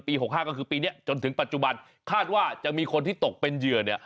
๖๕ก็คือปีนี้จนถึงปัจจุบันคาดว่าจะมีคนที่ตกเป็นเหยื่อเนี่ย